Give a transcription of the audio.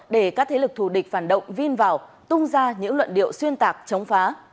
để các thế lực thù địch phản động vin vào tung ra những luận điệu xuyên tạc chống phá